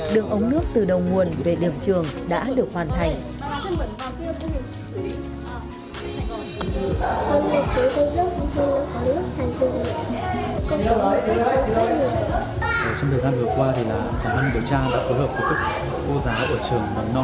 đường ống nước từ đầu nguồn về điểm trường đã được hoàn thành